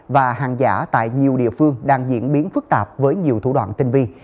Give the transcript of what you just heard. và hàng giả tại nhiều địa phương đang diễn biến phức tạp với nhiều thủ đoạn tinh vi